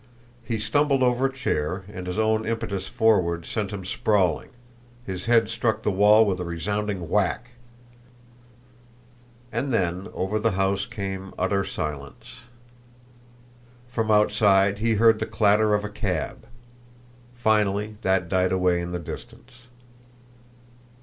He stumbled over a chair, and his own impetus forward sent him sprawling; his head struck the wall with a resounding whack; and then, over the house, came utter silence. From outside he heard the clatter of a cab. Finally that died away in the distance.